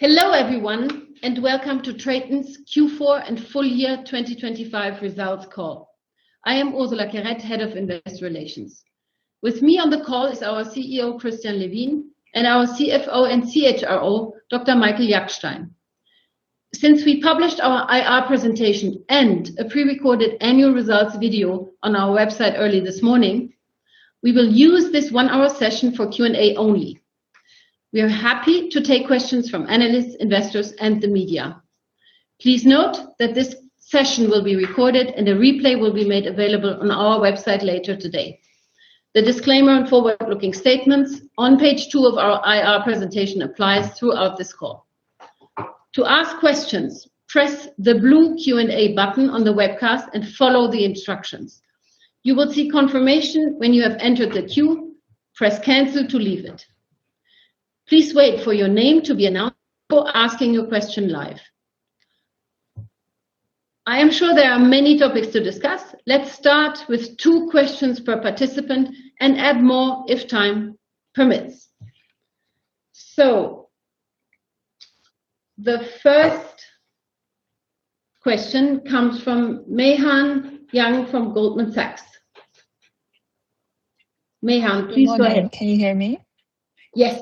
Hello everyone, welcome to TRATON's Q4 and full year 2025 results call. I am Ursula Querette, Head of Investor Relations. With me on the call is our CEO, Christian Levin, and our CFO and CHRO, Dr. Michael Jackstein. Since we published our IR presentation and a pre-recorded annual results video on our website early this morning, we will use this 1-hour session for Q&A only. We are happy to take questions from analysts, investors, and the media. Please note that this session will be recorded, and a replay will be made available on our website later today. The disclaimer on forward-looking statements on Ptwoage 2 of our IR presentation applies throughout this call. To ask questions, press the blue Q&A button on the webcast and follow the instructions. You will see confirmation when you have entered the queue. Press cancel to leave it. Please wait for your name to be announced before asking your question live. I am sure there are many topics to discuss. Let's start with two questions per participant and add more if time permits. The first question comes from Meihan Yang from Goldman Sachs. Meihan, please go ahead. Morning. Can you hear me? Yes.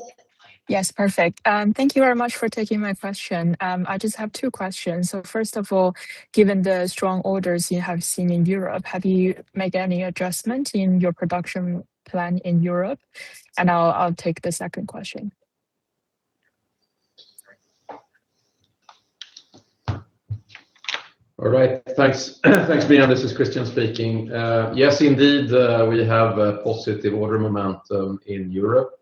Yes. Perfect. Thank you very much for taking my question. I just have two questions. First of all, given the strong orders you have seen in Europe, have you made any adjustment in your production plan in Europe? I'll take the second question. All right. Thanks. Thanks, Meihan. This is Christian speaking. Yes, indeed, we have a positive order momentum in Europe.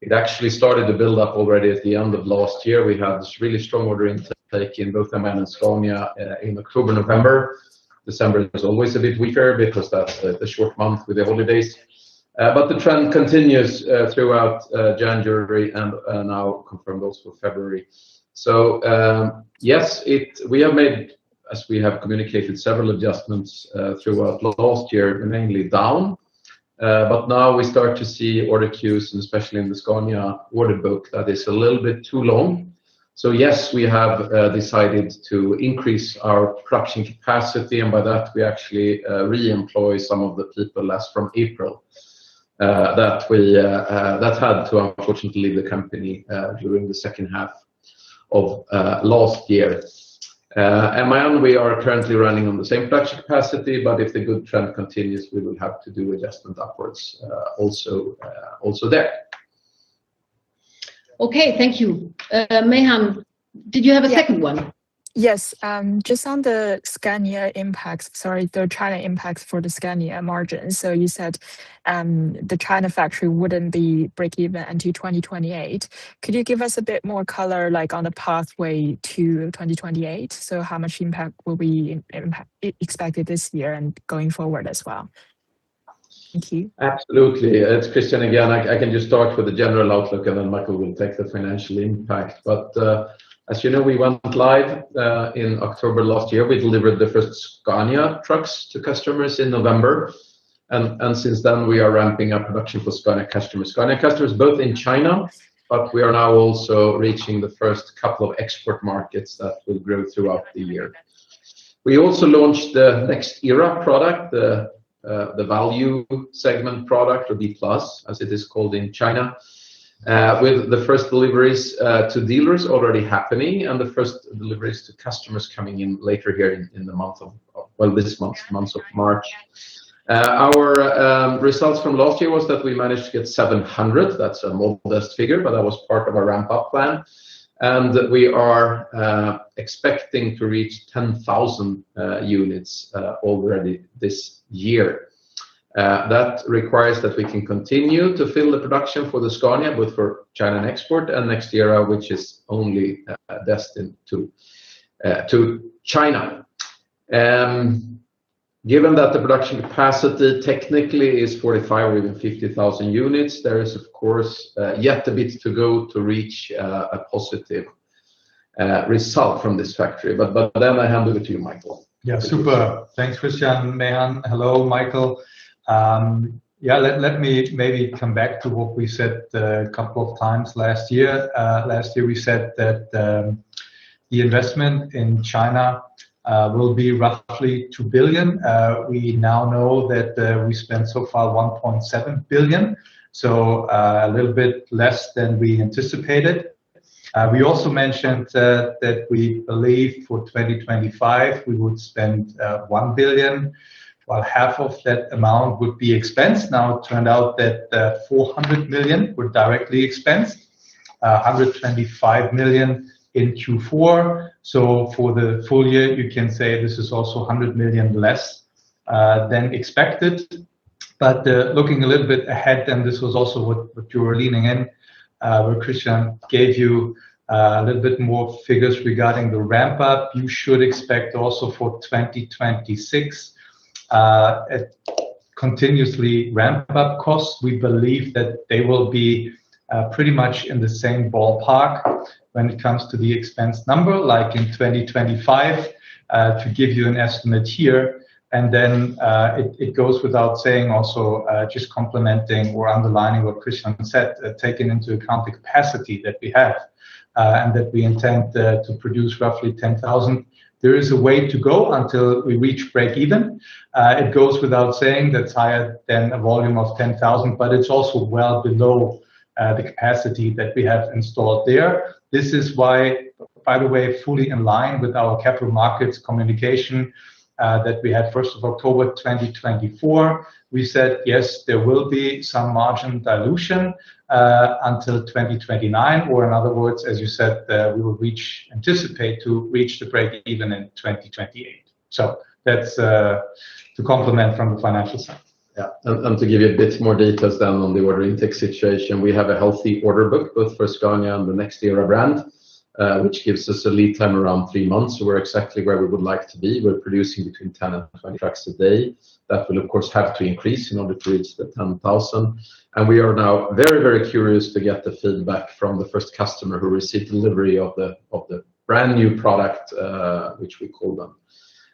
It actually started to build up already at the end of last year. We had this really strong order intake in both MAN and Scania, in October, November. December is always a bit weaker because that's the short month with the holidays. The trend continues throughout January and now confirmed also for February. Yes, We have made, as we have communicated, several adjustments, throughout last year, mainly down. Now we start to see order queues and especially in the Scania order book that is a little bit too long. Yes, we have decided to increase our production capacity, and by that we actually reemploy some of the people lost from April that had to unfortunately leave the company during the second half of last year. At MAN, we are currently running on the same production capacity, but if the good trend continues, we will have to do adjustment upwards also there. Okay. Thank you. Meihan, did you have a second one? Yes. Just on the Scania impact, sorry, the China impact for the Scania margin. You said, the China factory wouldn't be breakeven until 2028. Could you give us a bit more color, like, on the pathway to 2028? How much impact will be expected this year and going forward as well? Thank you. Absolutely. It's Christian again. I can just start with the general outlook, and then Michael will take the financial impact. As you know, we went live in October last year. We delivered the first Scania trucks to customers in November, and since then, we are ramping up production for Scania customers. Scania customers both in China. We are now also reaching the first couple of export markets that will grow throughout the year. We also launched the NEXT ERA product, the value segment product or B plus, as it is called in China, with the first deliveries to dealers already happening and the first deliveries to customers coming in later here in the month of March. Our results from last year was that we managed to get 700. That's a modest figure, but that was part of our ramp-up plan. We are expecting to reach 10,000 units already this year. That requires that we can continue to fill the production for the Scania, both for China and export, and next year, which is only destined to China. Given that the production capacity technically is 45,000 or even 50,000 units, there is of course, yet a bit to go to reach a positive result from this factory. I hand over to you, Michael. Yeah. Super. Thanks, Christian. Meihan. Hello, Michael. Yeah, let me maybe come back to what we said a couple of times last year. Last year we said that the investment in China will be roughly 2 billion. We now know that we spent so far 1.7 billion, so, a little bit less than we anticipated. We also mentioned that we believed for 2025 we would spend 1 billion, while half of that amount would be expense. Now, it turned out that 400 million were directly expensed, 125 million in Q4. For the full year, you can say this is also 100 million less than expected. Looking a little bit ahead, and this was also what you were leaning in, where Christian gave you a little bit more figures regarding the ramp-up, you should expect also for 2026 a continuously ramp-up costs. We believe that they will be pretty much in the same ballpark when it comes to the expense number, like in 2025. To give you an estimate here, and then it goes without saying also, just complimenting or underlining what Christian said, taking into account the capacity that we have, and that we intend to produce roughly 10,000. There is a way to go until we reach break even. It goes without saying that's higher than a volume of 10,000, but it's also well below the capacity that we have installed there. This is why, by the way, fully in line with our capital markets communication, that we had 1st of October 2024, we said, yes, there will be some margin dilution until 2029, or in other words, as you said, we anticipate to reach the break even in 2028. That's to complement from the financial side. Yeah. To give you a bit more details then on the order intake situation, we have a healthy order book, both for Scania and the NEXT ERA brand, which gives us a lead time around 3 months. We're exactly where we would like to be. We're producing between 10 and 20 trucks a day. That will, of course, have to increase in order to reach the 10,000. We are now very, very curious to get the feedback from the first customer who received delivery of the brand new product, which we call the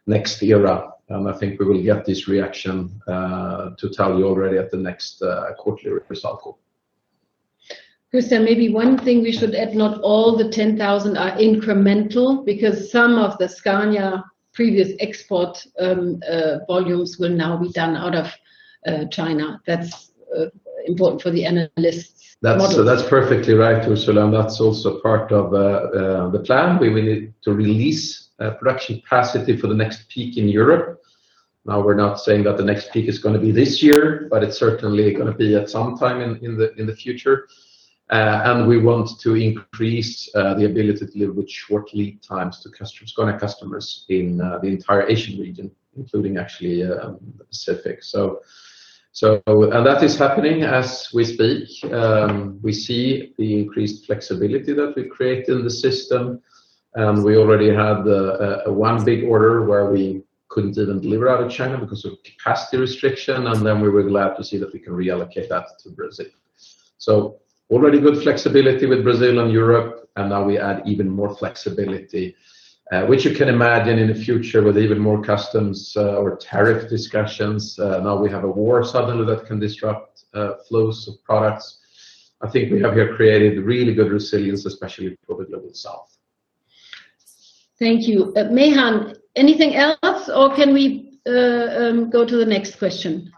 NEXT ERA. I think we will get this reaction to tell you already at the next quarterly result call. Christian, maybe one thing we should add, not all the 10,000 are incremental because some of the Scania previous export volumes will now be done out of China. That's important for the analysts models. That's, so that's perfectly right, Ursula, and that's also part of the plan. We will need to release production capacity for the next peak in Europe. Now, we're not saying that the next peak is gonna be this year, but it's certainly gonna be at some time in the future. And we want to increase the ability to deliver with short lead times to customers, Scania customers in the entire Asian region, including actually the Pacific. That is happening as we speak. We see the increased flexibility that we've created in the system, and we already had a one big order where we couldn't even deliver out of China because of capacity restriction, and then we were glad to see that we can reallocate that to Brazil. Already good flexibility with Brazil and Europe, now we add even more flexibility, which you can imagine in the future with even more customs or tariff discussions. Now we have a war suddenly that can disrupt flows of products. I think we have here created really good resilience, especially for the Global South. Thank you. Meihan, anything else, or can we go to the next question?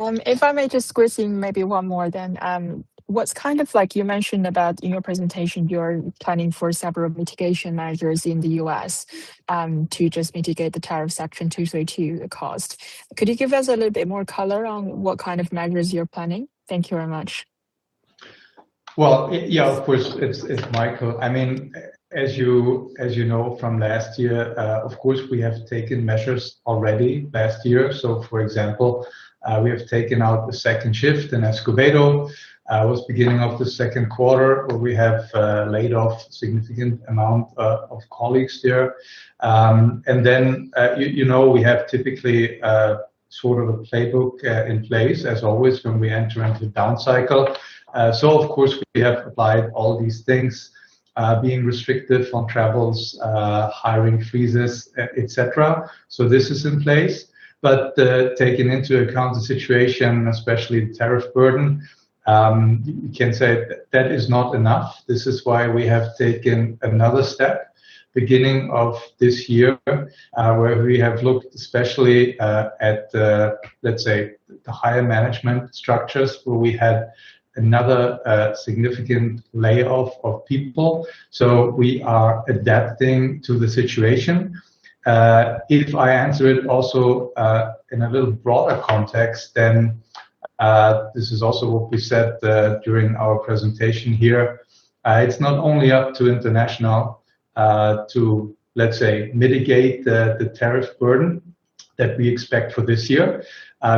If I may just squeeze in maybe one more then. What's kind of like you mentioned about in your presentation, you're planning for several mitigation measures in the U.S. to just mitigate the Tariff Section 232 cost. Could you give us a little bit more color on what kind of measures you're planning? Thank you very much. Yeah, of course, it's Michael. I mean, as you know from last year, of course, we have taken measures already last year. For example, we have taken out the second shift in Escobedo. It was beginning of the second quarter where we have laid off significant amount of colleagues there. You know, we have typically sort of a playbook in place as always when we enter into down cycle. Of course, we have applied all these things, being restrictive on travels, hiring freezes, et cetera. This is in place. Taking into account the situation, especially the tariff burden, you can say that is not enough. This is why we have taken another step beginning of this year, where we have looked especially at the, let's say, the higher management structures, where we had another significant layoff of people. We are adapting to the situation. If I answer it also in a little broader context, then this is also what we said during our presentation here. It's not only up to International to, let's say, mitigate the tariff burden that we expect for this year,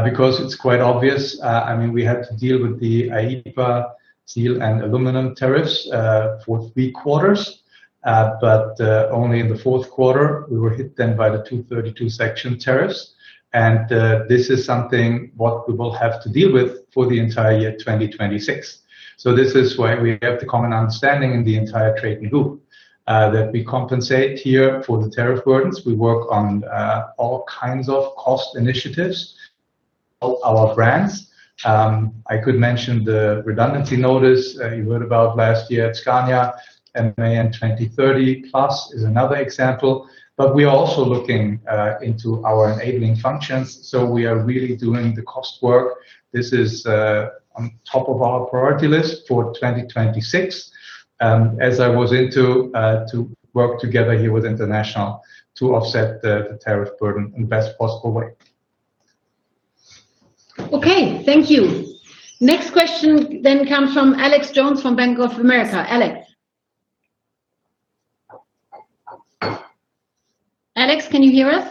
because it's quite obvious, I mean, we had to deal with the IEEPA steel and aluminum tariffs for 3 quarters, but only in the 4th quarter, we were hit then by the Section 232 tariffs. This is something what we will have to deal with for the entire year 2026. This is why we have the common understanding in the entire trade group, that we compensate here for the tariff burdens. We work on all kinds of cost initiatives, all our brands. I could mention the redundancy notice, you heard about last year at Scania, and MAN 2030+ is another example. We are also looking into our enabling functions, so we are really doing the cost work. This is on top of our priority list for 2026, as I was into to work together here with International to offset the tariff burden in best possible way. Okay, thank you. Next question comes from Alexander Jones from Bank of America. Alex? Alex, can you hear us?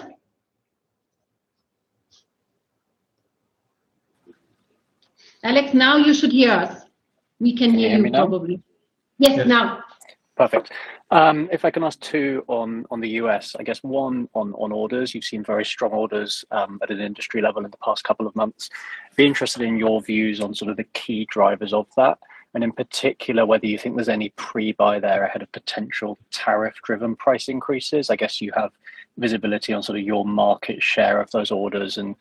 Alex, now you should hear us. We can hear you probably. Can you hear me now? Yes, now. Perfect. If I can ask two on the US. I guess one on orders. You've seen very strong orders at an industry level in the past couple of months. Be interested in your views on sort of the key drivers of that, and in particular, whether you think there's any pre-buy there ahead of potential tariff-driven price increases. I guess you have visibility on sort of your market share of those orders and,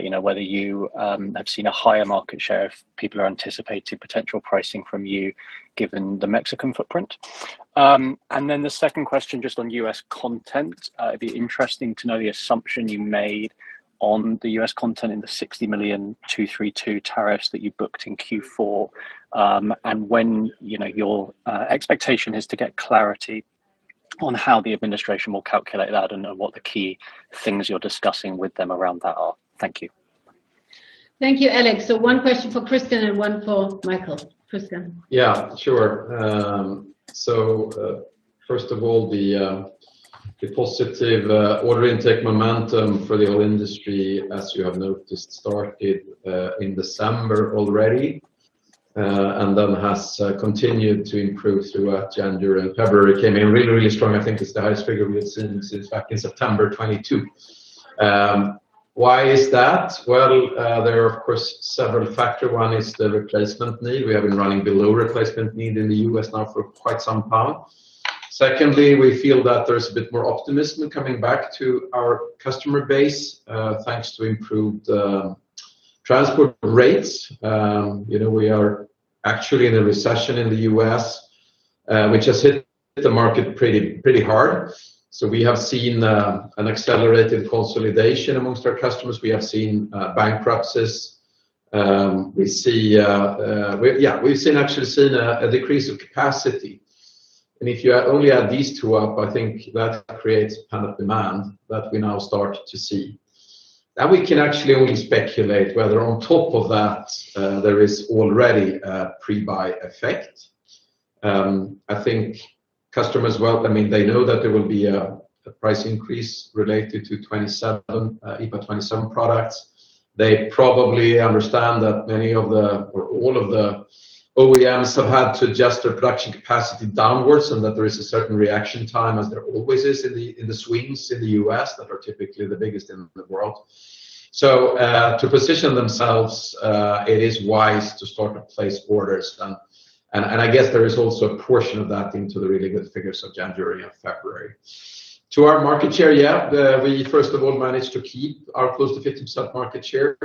you know, whether you have seen a higher market share if people are anticipating potential pricing from you given the Mexican footprint. The second question, just on US content. It'd be interesting to know the assumption you made on the U.S. content in the $60 million Section 232 tariffs that you booked in Q4. When, you know, your expectation is to get clarity on how the administration will calculate that and what the key things you're discussing with them around that are. Thank you. Thank you, Alex. One question for Christian and one for Michael. Christian. Yeah, sure. First of all, the positive order intake momentum for the whole industry, as you have noticed, started in December already, has continued to improve throughout January and February. It came in really, really strong. I think it's the highest figure we have seen since back in September 2022. Why is that? Well, there are of course several factors. One is the replacement need. We have been running below replacement need in the U.S. now for quite some time. Secondly, we feel that there's a bit more optimism coming back to our customer base, thanks to improved transport rates. You know, we are actually in a recession in the U.S., which has hit the market pretty hard. We have seen an accelerated consolidation amongst our customers. We have seen bankruptcies. We see actually seen a decrease of capacity. If you only add these two up, I think that creates a kind of demand that we now start to see. Now we can actually only speculate whether on top of that, there is already a pre-buy effect. I think customers well, I mean, they know that there will be a price increase related to 27 EPA 2027 products. They probably understand that many of the, or all of the OEMs have had to adjust their production capacity downwards, and that there is a certain reaction time, as there always is in the, in the swings in the U.S. that are typically the biggest in the world. To position themselves, it is wise to start to place orders then. I guess there is also a portion of that into the really good figures of January and February. To our market share, we first of all managed to keep our close to 50% market share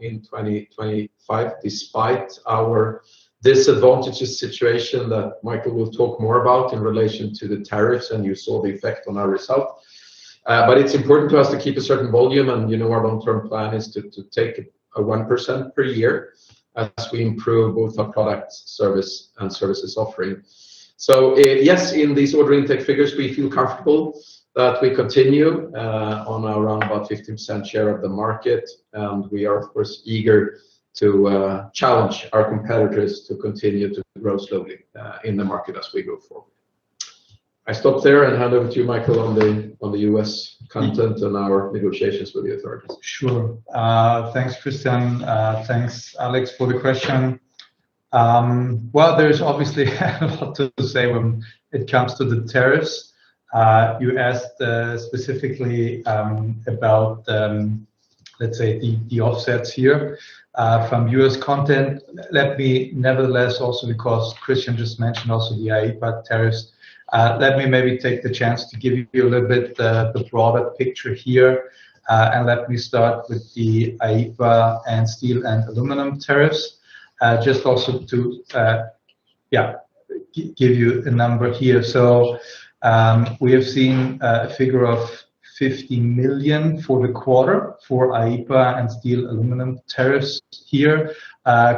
in 2025 despite our disadvantages situation that Michael will talk more about in relation to the tariffs, and you saw the effect on our result. It's important to us to keep a certain volume, and you know, our long-term plan is to take a 1% per year as we improve both our product service and services offering. Yes, in these order intake figures, we feel comfortable that we continue on around about 50% share of the market, and we are of course eager to challenge our competitors to continue to grow slowly in the market as we go forward. I stop there and hand over to you, Michael, on the U.S. content and our negotiations with the authorities. Sure. Thanks, Christian. Thanks, Alex, for the question. Well, there's obviously a lot to say when it comes to the tariffs. You asked specifically about, let's say the offsets here, from U.S. content. Let me nevertheless also because Christian just mentioned also the IEEPA tariffs, let me maybe take the chance to give you a little bit the broader picture here. Let me start with the IEEPA and steel and aluminum tariffs. Just also to give you a number here. We have seen a figure of 50 million for the quarter for IEEPA and steel aluminum tariffs here,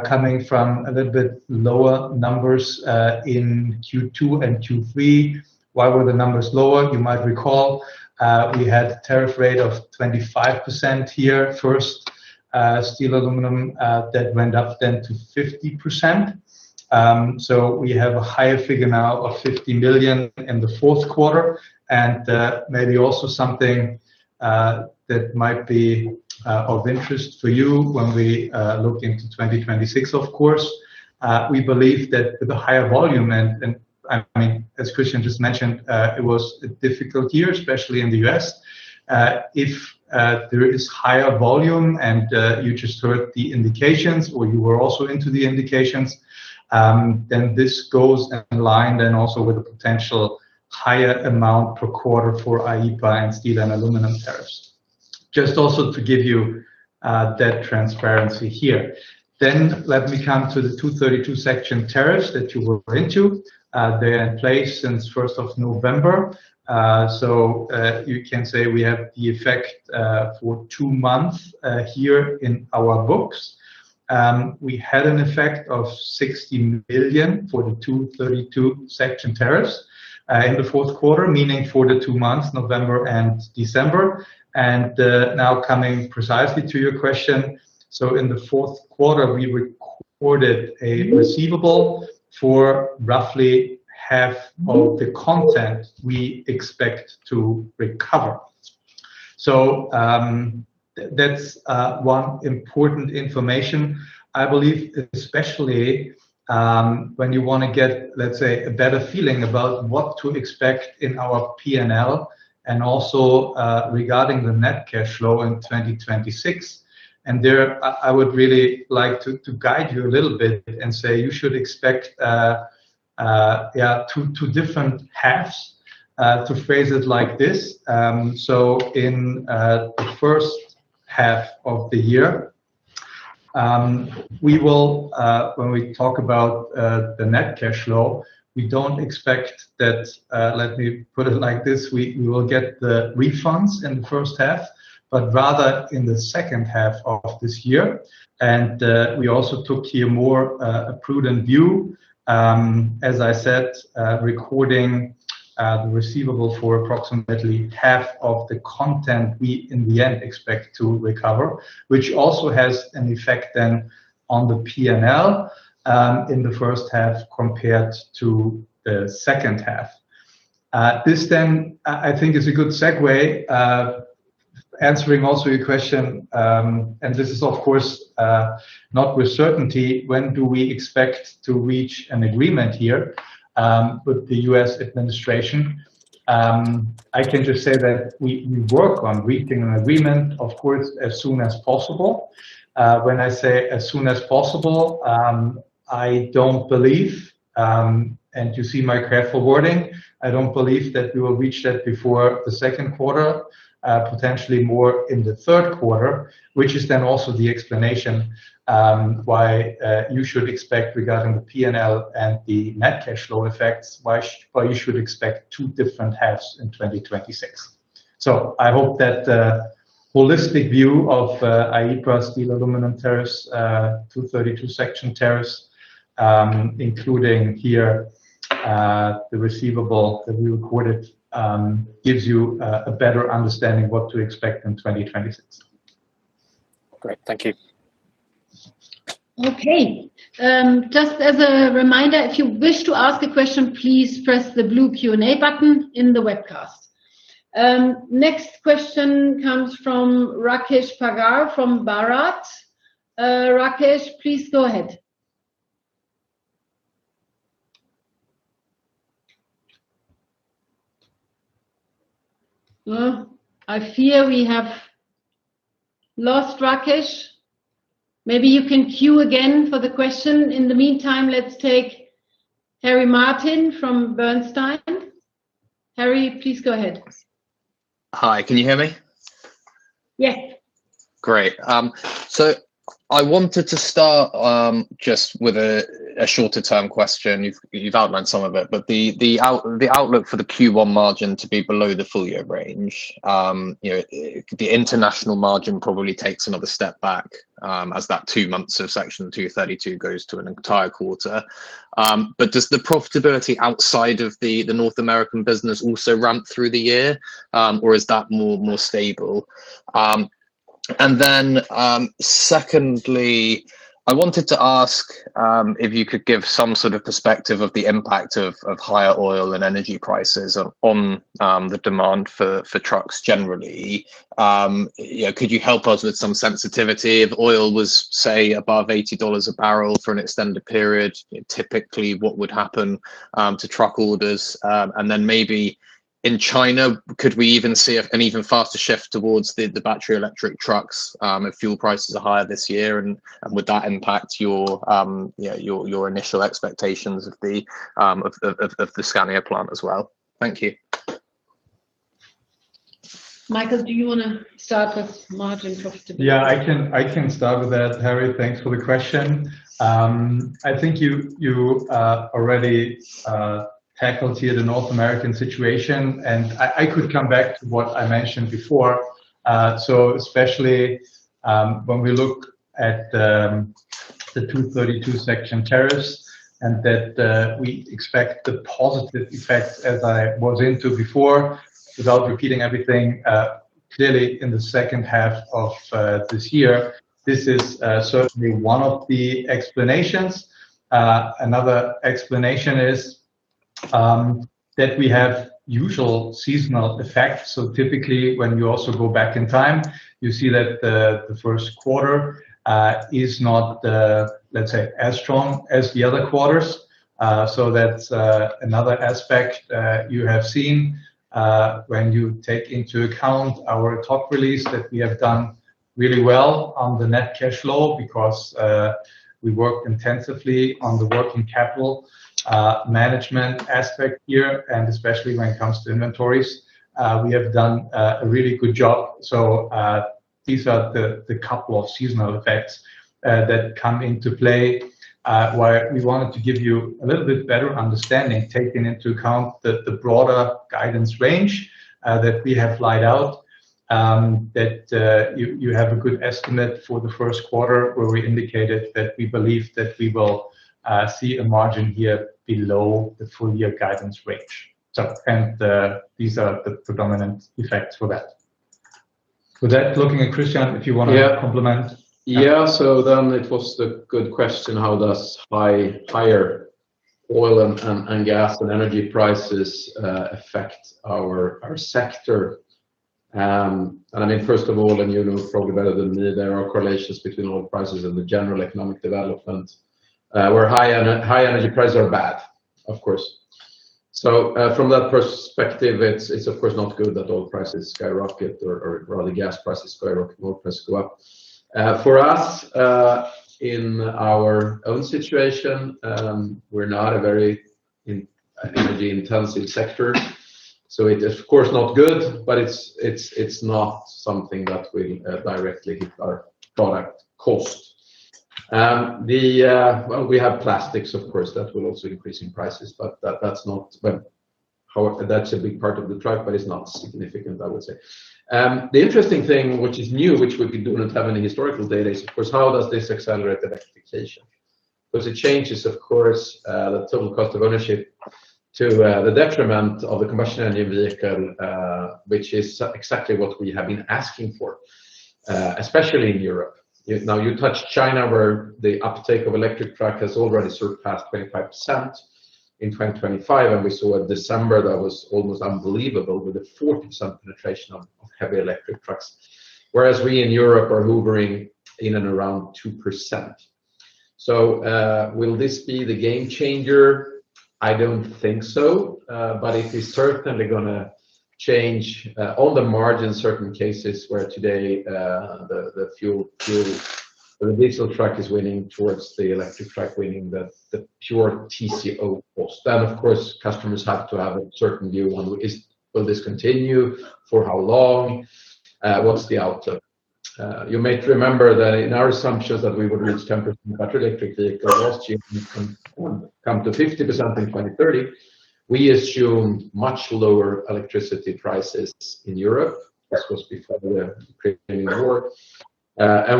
coming from a little bit lower numbers in Q2 and Q3. Why were the numbers lower? You might recall, we had tariff rate of 25% here first, steel, aluminum, that went up then to 50%. We have a higher figure now of $50 million in the fourth quarter. Maybe also something that might be of interest to you when we look into 2026, of course. We believe that with the higher volume and, I mean, as Christian just mentioned, it was a difficult year, especially in the U.S. If there is higher volume and you just heard the indications or you were also into the indications, this goes in line then also with a potential higher amount per quarter for IEEPA and steel and aluminum tariffs. Just also to give you that transparency here. Let me come to the Section 232 tariffs that you referred to. They're in place since 1st of November. You can say we have the effect for two months here in our books. We had an effect of $60 million for the Section 232 tariffs in the fourth quarter, meaning for the two months, November and December. Now coming precisely to your question. In the fourth quarter, we recorded a receivable for roughly half of the content we expect to recover. That's one important information, I believe, especially when you wanna get, let's say, a better feeling about what to expect in our P&L, regarding the net cash flow in 2026. There I would really like to guide you a little bit and say you should expect two different halves to phrase it like this. In the first half of the year, we will, when we talk about the net cash flow, we don't expect that, let me put it like this, we will get the refunds in the first half, but rather in the second half of this year. We also took here more a prudent view, as I said, recording the receivable for approximately half of the content we in the end expect to recover, which also has an effect then on the P&L in the first half compared to the second half. This then I think is a good segue, answering also your question, and this is of course, not with certainty, when do we expect to reach an agreement here, with the U.S. administration? I can just say that we work on reaching an agreement, of course, as soon as possible. When I say as soon as possible, I don't believe, and you see my careful wording, I don't believe that we will reach that before the second quarter, potentially more in the third quarter, which is then also the explanation, why you should expect regarding the P&L and the net cash flow effects, why you should expect two different halves in 2026. I hope that holistic view of IEEPA steel, aluminum tariffs, 232 section tariffs, including here, the receivable that we recorded, gives you a better understanding what to expect in 2026. Great. Thank you. Just as a reminder, if you wish to ask a question, please press the blue Q&A button in the webcast. Next question comes from Rakesh Pagar from Bharat. Rakesh, please go ahead. I fear we have lost Rakesh. Maybe you can queue again for the question. In the meantime, let's take Harry Martin from Bernstein. Harry, please go ahead. Hi. Can you hear me? Yeah. Great. I wanted to start, just with a shorter term question. You've, you've outlined some of it, but the out- the outlook for the Q1 margin to be below the full year range. You know, the International margin probably takes another step back, as that two months of Section 232 goes to an entire quarter. Does the profitability outside of the North American business also ramp through the year, or is that more, more stable? Then, secondly, I wanted to ask, if you could give some sort of perspective of the impact of higher oil and energy prices on, the demand for trucks generally. You know, could you help us with some sensitivity? If oil was, say, above $80 a barrel for an extended period, typically, what would happen to truck orders? Then maybe in China, could we even see an even faster shift towards the battery electric trucks if fuel prices are higher this year, and would that impact your, you know, your initial expectations of the Scania plant as well? Thank you. Michael, do you wanna start with margin profitability? I can start with that, Harry. Thanks for the question. I think you already tackled here the North American situation. I could come back to what I mentioned before. Especially when we look at the Section 232 tariffs, we expect the positive effects, as I was into before, without repeating everything, clearly in the second half of this year. This is certainly one of the explanations. Another explanation is that we have usual seasonal effects. Typically, when you also go back in time, you see that the first quarter is not, let's say, as strong as the other quarters. That's another aspect, you have seen, when you take into account our top release that we have done really well on the net cash flow because we work intensively on the working capital management aspect here, and especially when it comes to inventories, we have done a really good job. These are the couple of seasonal effects that come into play, why we wanted to give you a little bit better understanding, taking into account the broader guidance range that we have laid out, that you have a good estimate for the first quarter, where we indicated that we believe that we will see a margin here below the full year guidance range. These are the predominant effects for that. With that, looking at Christian, if you wanna-. Yeah complement. It was the good question, how does higher oil and gas and energy prices affect our sector. I mean, first of all, and you know probably better than me, there are correlations between oil prices and the general economic development, where high energy prices are bad, of course. From that perspective, it's of course not good that oil prices skyrocket or rather gas prices skyrocket, oil prices go up. For us, in our own situation, we're not a very an energy intensive sector, it's of course not good, but it's not something that will directly hit our product cost. Well, we have plastics, of course, that will also increase in prices, but that's not... That's a big part of the truck, but it's not significant, I would say. The interesting thing which is new, which we do not have any historical data, is of course, how does this accelerate electrification? Because it changes, of course, the total cost of ownership to the detriment of the combustion engine vehicle, which is exactly what we have been asking for, especially in Europe. You touched China, where the uptake of electric truck has already surpassed 25% in 2025, and we saw a December that was almost unbelievable with a 40% penetration of heavy electric trucks, whereas we in Europe are hovering in and around 2%. Will this be the game changer? I don't think so, but it is certainly gonna change on the margin, certain cases where today the fuel, the diesel truck is winning towards the electric truck winning the pure TCO cost. Of course, customers have to have a certain view on is, will this continue? For how long? What's the outcome? You may remember that in our assumptions that we would reach 10% battery electric vehicles last year and come to 50% in 2030, we assumed much lower electricity prices in Europe. This was before the Ukrainian War.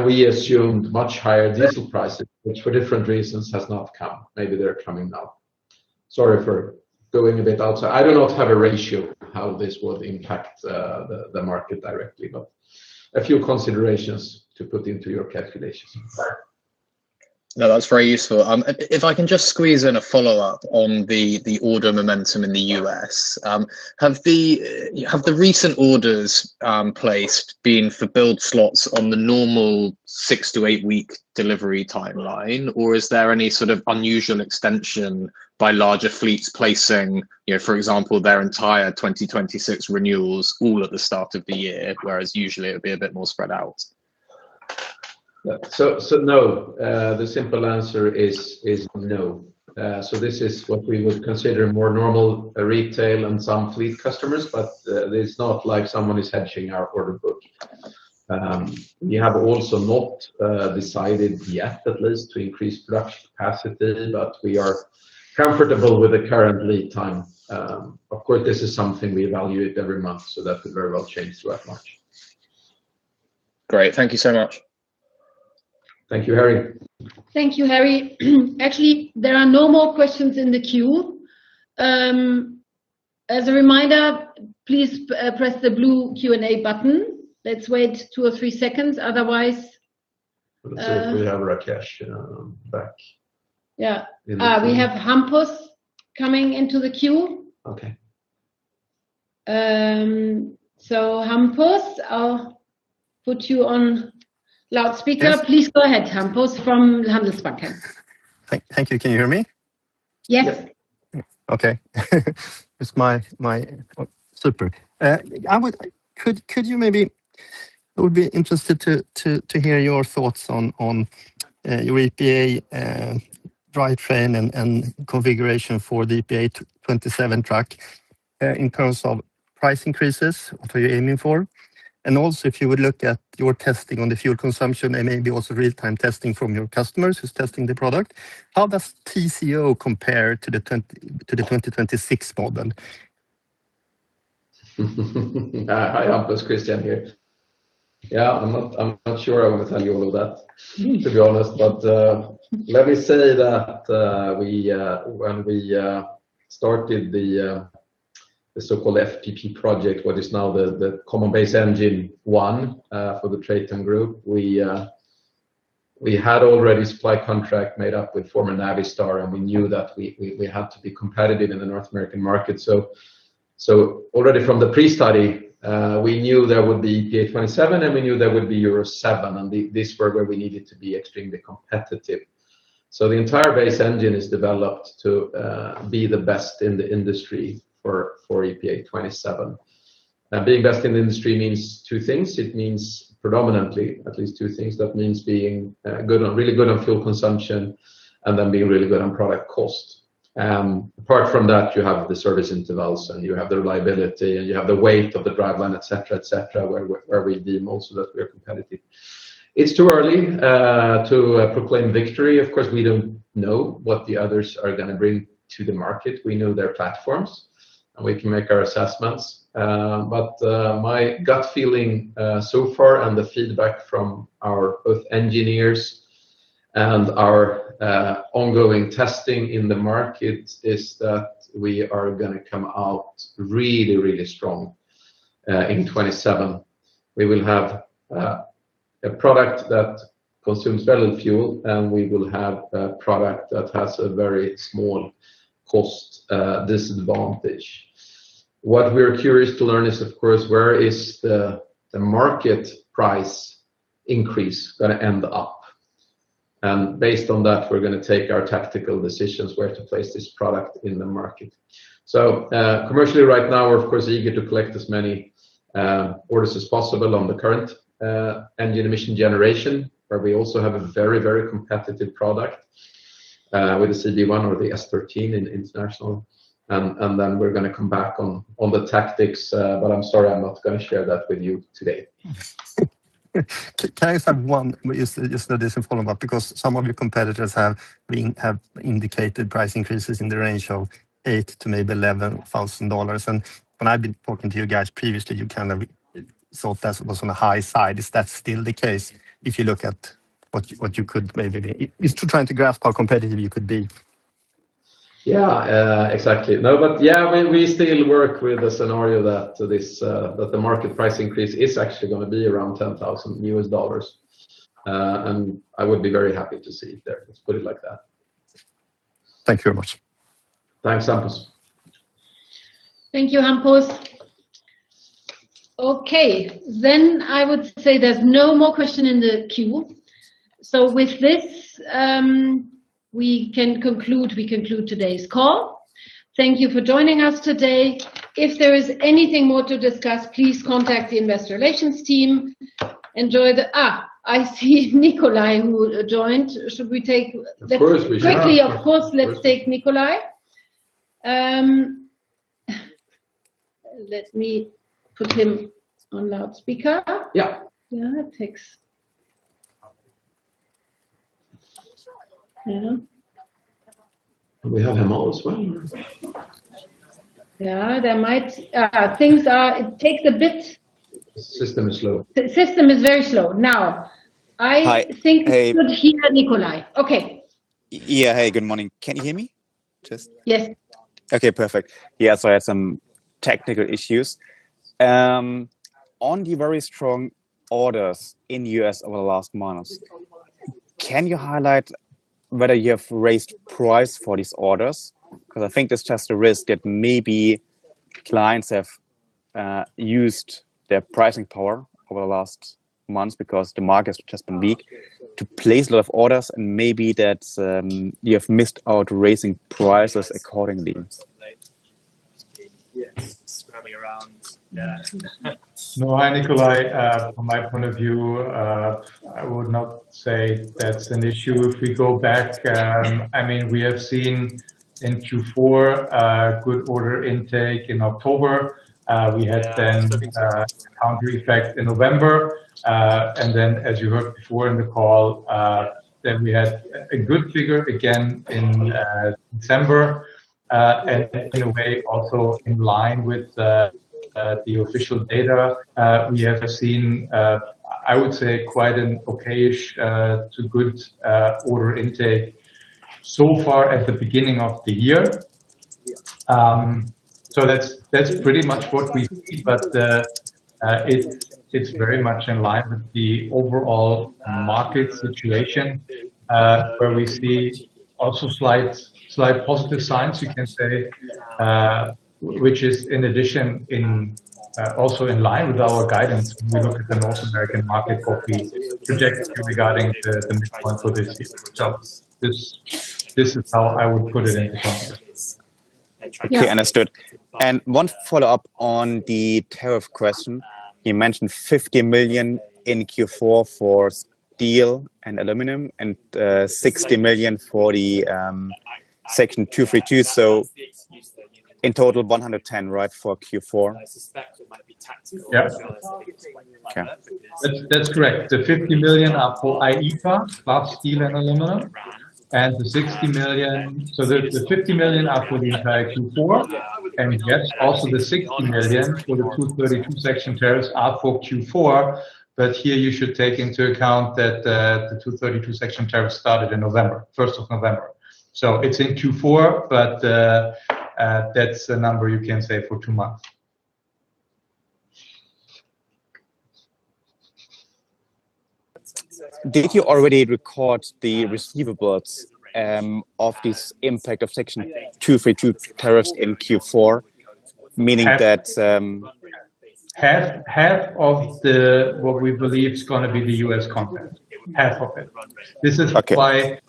We assumed much higher diesel prices, which for different reasons has not come. Maybe they're coming now. Sorry for going a bit outside. I do not have a ratio how this would impact the market directly, but a few considerations to put into your calculations. No, that's very useful. If I can just squeeze in a follow-up on the order momentum in the U.S. Have the recent orders placed been for build slots on the normal 6-8 week delivery timeline, or is there any sort of unusual extension by larger fleets placing, you know, for example, their entire 2026 renewals all at the start of the year, whereas usually it would be a bit more spread out? No. The simple answer is no. This is what we would consider more normal retail and some fleet customers, but it's not like someone is hedging our order book. We have also not decided yet at least to increase production capacity, but we are comfortable with the current lead time. Of course, this is something we evaluate every month, so that could very well change throughout March. Great. Thank you so much. Thank you, Harry. Thank you, Harry. Actually, there are no more questions in the queue. As a reminder, please press the blue Q&A button. Let's wait two or three seconds, otherwise. Let's see if we have Rakesh, you know, back. Yeah. We have Hampus coming into the queue. Okay. Hampus, I'll put you on loudspeaker. Yes. Please go ahead, Hampus from Handelsbanken. Thank you. Can you hear me? Yes. Okay. It's my... Super. I would... Could you maybe... I would be interested to hear your thoughts on your EPA drivetrain and configuration for the EPA 2027 truck in terms of price increases, what are you aiming for? Also, if you would look at your testing on the fuel consumption and maybe also real-time testing from your customers who's testing the product, how does TCO compare to the 2026 model? Hi, Hampus. Christian here. Yeah, I'm not sure I want to tell you all of that, to be honest. Let me say that we when we started the so-called FPP project, what is now the Common Base Engine one, for the TRATON Group, we had already supply contract made up with former Navistar, we knew that we had to be competitive in the North American market. Already from the pre-study, we knew there would be EPA 2027, we knew there would be Euro 7, this was where we needed to be extremely competitive. The entire base engine is developed to be the best in the industry for EPA 2027. Being best in the industry means 2 things. It means predominantly at least 2 things. That means being good on, really good on fuel consumption and then being really good on product cost. Apart from that, you have the service intervals, and you have the reliability, and you have the weight of the driveline, et cetera, et cetera, where we deem also that we are competitive. It's too early to proclaim victory. Of course, we don't know what the others are gonna bring to the market. We know their platforms, and we can make our assessments. My gut feeling so far and the feedback from our both engineers and our ongoing testing in the market is that we are gonna come out really, really strong. In 2027, we will have a product that consumes less fuel, and we will have a product that has a very small cost disadvantage. What we're curious to learn is, of course, where is the market price increase gonna end up? Based on that, we're gonna take our tactical decisions where to place this product in the market. Commercially right now, we're of course eager to collect as many orders as possible on the current engine emission generation, where we also have a very, very competitive product with the CD1 or the S13 in International. Then we're gonna come back on the tactics, but I'm sorry, I'm not gonna share that with you today. Can I just have one just as a follow-up? Some of your competitors have indicated price increases in the range of $8,000-$11,000. When I've been talking to you guys previously, you kind of thought that was on the high side. Is that still the case if you look at what you, what you could maybe...? It's to trying to grasp how competitive you could be. Yeah, we still work with the scenario that this, that the market price increase is actually gonna be around $10,000. I would be very happy to see it there. Let's put it like that. Thank you very much. Thanks, Hampus. Thank you, Hampus. Okay, I would say there's no more question in the queue. With this, we conclude today's call. Thank you for joining us today. If there is anything more to discuss, please contact the investor relations team. I see Nikolai who joined. Of course we should. Quickly, of course, let's take Nicolai. Let me put him on loudspeaker. Yeah. Yeah, it takes. Yeah. We have him also. Yeah, things are, it takes a bit. The system is slow. The system is very slow. Now, I think we should hear Nicolai. Okay. Yeah. Hey, good morning. Can you hear me just? Yes. Okay, perfect. Yeah. I had some technical issues. On the very strong orders in U.S. over the last months, can you highlight whether you have raised price for these orders? I think there's just a risk that maybe clients have used their pricing power over the last months because the market has just been weak to place a lot of orders, and maybe that you have missed out raising prices accordingly. No, Nicolai, from my point of view, I would not say that's an issue. If we go back, I mean, we have seen in Q4 a good order intake in October. We had then a counter effect in November. As you heard before in the call, then we had a good figure again in December. In a way also in line with the official data, we have seen, I would say quite an okay-ish, to good, order intake so far at the beginning of the year. That's, that's pretty much what we see. It's very much in line with the overall market situation, where we see also slight positive signs, you can say, which is in addition also in line with our guidance when we look at the North American market for the projection regarding the midpoint for this year. This is how I would put it into context. Yeah. Okay. Understood. One follow-up on the tariff question. You mentioned 50 million in Q4 for steel and aluminum and 60 million for the Section 232. In total 110 million, right, for Q4? Yeah. Okay. That's correct. The 50 million are for IEEPA, that's steel and aluminum. The 50 million are for the entire Q4. Yes, also the 60 million for the Section 232 tariffs are for Q4, here you should take into account that the Section 232 tariffs started in November, first of November. It's in Q4, but that's a number you can say for two months. Did you already record the receivables of this impact of Section 232 tariffs in Q4? Meaning that, Half of the, what we believe is gonna be the U.S. content. Half of it. Okay. This is why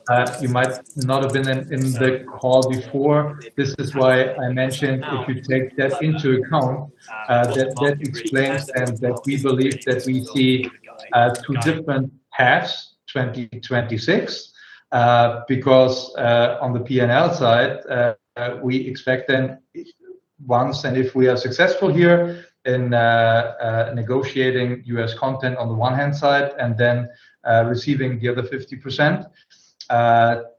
you might not have been in the call before. This is why I mentioned if you take that into account, that explains then that we believe that we see two different halves, 2020-2026. Because on the P&L side, we expect then once and if we are successful here in negotiating U.S. content on the one-hand side and then receiving the other 50%,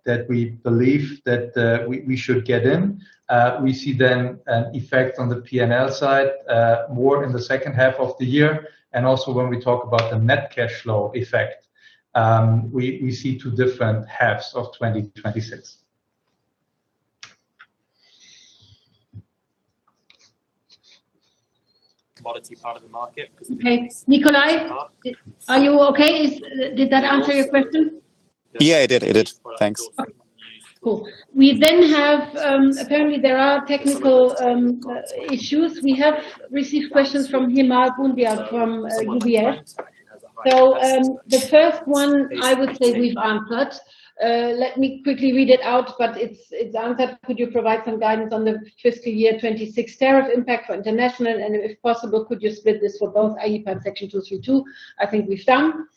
that we believe that we should get in, we see then an effect on the P&L side more in the second half of the year. When we talk about the net cash flow effect, we see two different halves of 2020-2026. Quality part of the market. Okay. Nikolai, are you okay? Did that answer your question? Yeah, it did. It did. Thanks. We have apparently there are technical issues. We have received questions from Hemal Bhundia, from UBS. The first one I would say we've answered. Let me quickly read it out, but it's answered. Could you provide some guidance on the fiscal year 26 tariff impact for International? If possible, could you split this for both IEEPA and Section 232? I think we've done.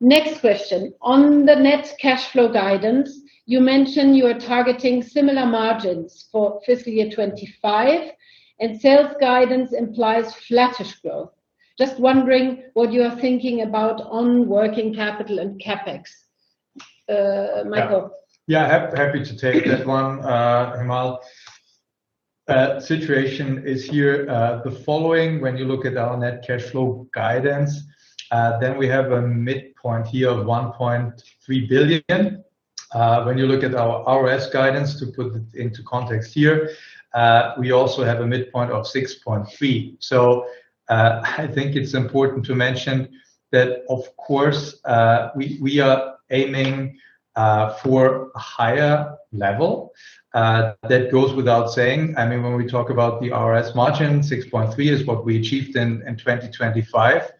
Next question. On the net cash flow guidance, you mentioned you are targeting similar margins for fiscal year 25, and sales guidance implies flattish growth. Just wondering what you are thinking about on working capital and CapEx. Michael. Yeah. Happy to take that one, Hemal. Situation is here, the following when you look at our net cash flow guidance, then we have a midpoint here of 1.3 billion. When you look at our RoS guidance to put it into context here, we also have a midpoint of 6.3%. I think it's important to mention that of course, we are aiming for a higher level. That goes without saying. I mean, when we talk about the RoS margin, 6.3% is what we achieved in 2025.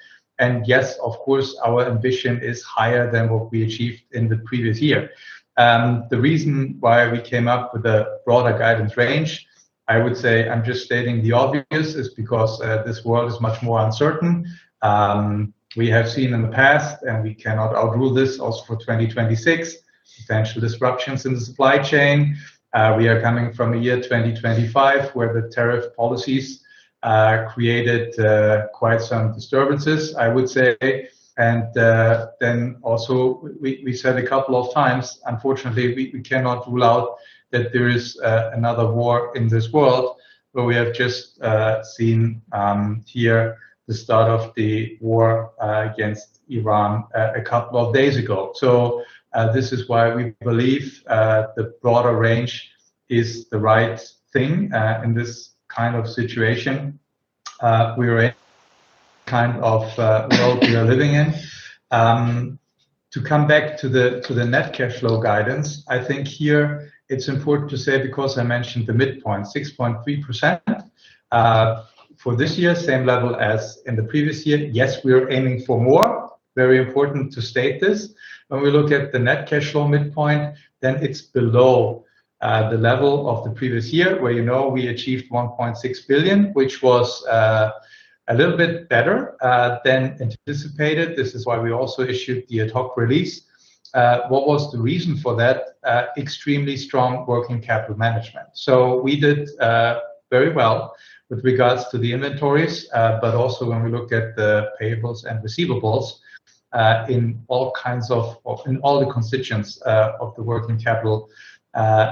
Yes, of course, our ambition is higher than what we achieved in the previous year. The reason why we came up with a broader guidance range, I would say I'm just stating the obvious, is because this world is much more uncertain. We have seen in the past, and we cannot outrule this also for 2026, potential disruptions in the supply chain. We are coming from a year, 2025, where the tariff policies created quite some disturbances, I would say. Then also we said a couple of times, unfortunately, we cannot rule out that there is another war in this world, where we have just seen here the start of the war against Iran a couple of days ago. This is why we believe the broader range is the right thing in this kind of situation. We are in kind of world we are living in. To come back to the net cash flow guidance, I think here it's important to say, because I mentioned the midpoint, 6.3%, for this year, same level as in the previous year. Yes, we are aiming for more. Very important to state this. When we look at the net cash flow midpoint, then it's below the level of the previous year where, you know, we achieved 1.6 billion, which was a little bit better than anticipated. This is why we also issued the ad hoc release. What was the reason for that? Extremely strong working capital management. We did very well with regards to the inventories, but also when we look at the payables and receivables, in all kinds of, in all the constituents, of the working capital,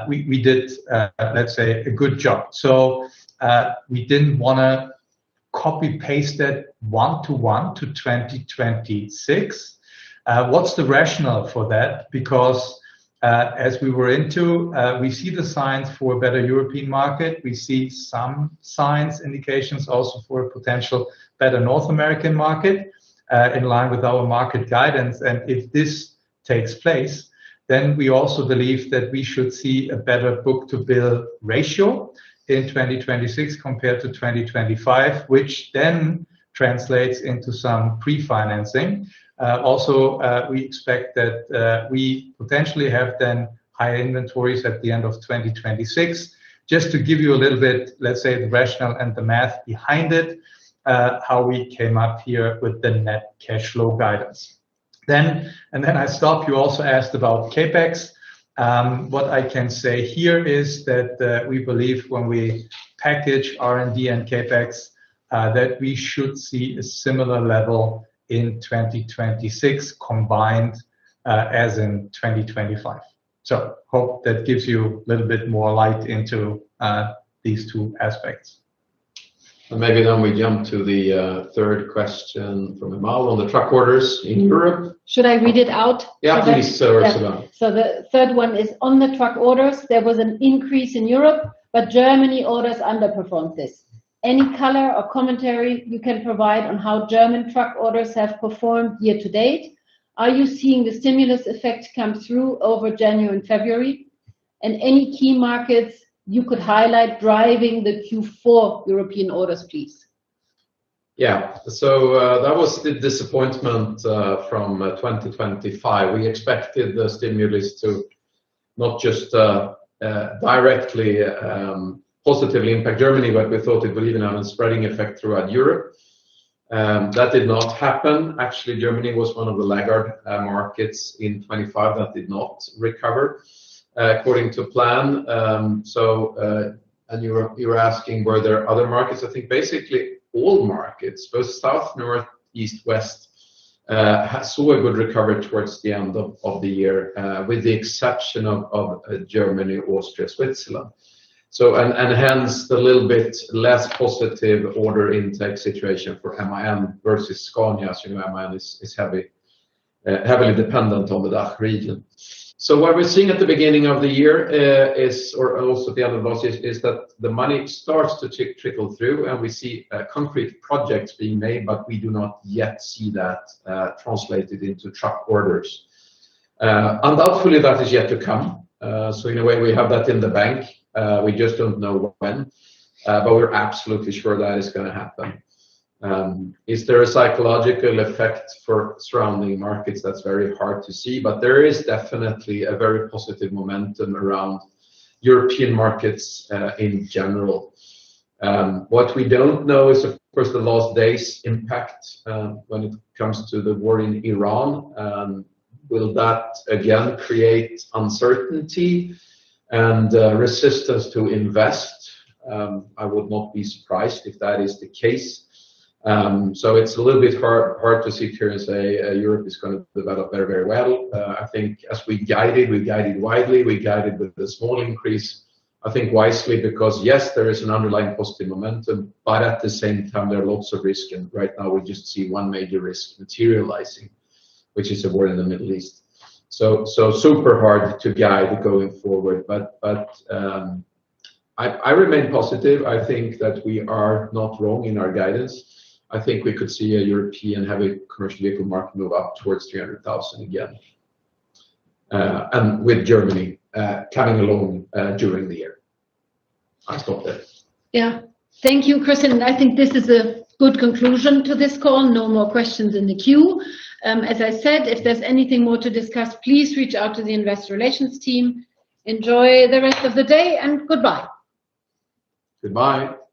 we did, let's say a good job. We didn't wanna copy-paste that 1 to 1 to 2026. What's the rationale for that? As we were into, we see the signs for a better European market. We see some signs, indications also for a potential better North American market, in line with our market guidance. If this takes place, then we also believe that we should see a better book-to-bill ratio in 2026 compared to 2025, which then translates into some pre-financing. Also, we expect that we potentially have then higher inventories at the end of 2026. Just to give you a little bit, let's say, the rationale and the math behind it, how we came up here with the net cash flow guidance. I stop. You also asked about CapEx. What I can say here is that we believe when we package R&D and CapEx, that we should see a similar level in 2026 combined, as in 2025. Hope that gives you a little bit more light into these two aspects. Maybe then we jump to the third question from Hemal on the truck orders in Europe. Should I read it out? Yeah, please. Ursula. Yeah. The third one is, on the truck orders, there was an increase in Europe, but Germany orders underperformed this. Any color or commentary you can provide on how German truck orders have performed year-to-date? Are you seeing the stimulus effect come through over January and February? Any key markets you could highlight driving the Q4 European orders, please? Yeah. That was the disappointment from 2025. We expected the stimulus to not just directly positively impact Germany, but we thought it would even have a spreading effect throughout Europe. That did not happen. Actually, Germany was one of the laggard markets in 25 that did not recover according to plan. And you were asking were there other markets? I think basically all markets, both south, north, east, west, saw a good recovery towards the end of the year, with the exception of Germany, Austria, Switzerland. And hence the little bit less positive order intake situation for MAN versus Scania. As you know, MAN is heavily dependent on the DACH region. What we're seeing at the beginning of the year is, or also the other losses, is that the money starts to trickle through, and we see concrete projects being made, but we do not yet see that translated into truck orders. Hopefully that is yet to come. In a way, we have that in the bank, we just don't know when, but we're absolutely sure that is gonna happen. Is there a psychological effect for surrounding markets? That's very hard to see, but there is definitely a very positive momentum around European markets in general. What we don't know is, of course, the last day's impact when it comes to the war in Iran. Will that again create uncertainty and resistance to invest? I would not be surprised if that is the case. It's a little bit hard to sit here and say, Europe is gonna develop very, very well. I think as we guided, we guided widely, we guided with a small increase, I think wisely, because yes, there is an underlying positive momentum, but at the same time, there are lots of risk. Right now we just see one major risk materializing, which is a war in the Middle East. So super hard to guide going forward. But I remain positive. I think that we are not wrong in our guidance. I think we could see a European heavy commercial vehicle market move up towards 300,000 again, and with Germany coming along during the year. I'll stop there. Yeah. Thank you, Christian. I think this is a good conclusion to this call. No more questions in the queue. As I said, if there's anything more to discuss, please reach out to the investor relations team. Enjoy the rest of the day, and goodbye. Goodbye. Goodbye.